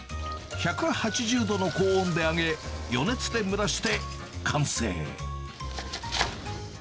１８０度の高温で揚げ、余熱で蒸らして完成。